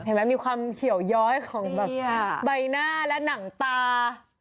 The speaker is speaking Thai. มีความเขียวย้อยของแบบใบหน้าและหนังตา